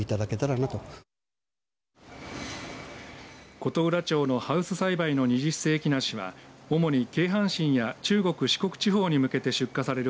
琴浦町のハウス栽培の二十世紀梨は主に京阪神や中国、四国地方に向けて出荷される